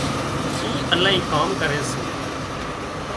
اِي الاهي ڪام ڪري سي